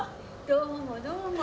どうもどうも。